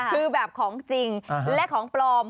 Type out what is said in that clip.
คือแบบของจริงและของปลอม